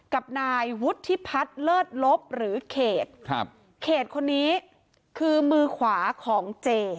กับนายวุฒิพัฒน์เลิศลบหรือเขตครับเขตคนนี้คือมือขวาของเจ